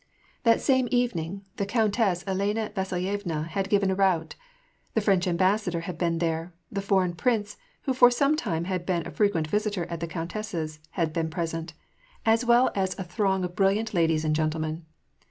That same evening, the Countess Elena Yasilyevna had given a rout. The French ambassador had been there; the foreigfn prince, who for some time had been a frequent visitor at the countess's, had been present ; as well as a throng of bril liant ladies and gentlemen.